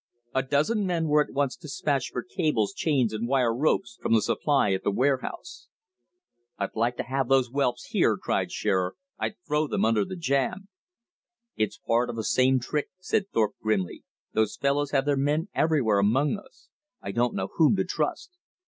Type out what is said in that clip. A dozen men were at once despatched for cables, chains, and wire ropes from the supply at the warehouse. "I'd like to have those whelps here," cried Shearer, "I'd throw them under the jam." "It's part of the same trick," said Thorpe grimly; "those fellows have their men everywhere among us. I don't know whom to trust."